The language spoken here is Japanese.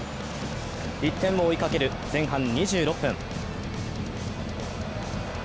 １点を追いかける前半２６分。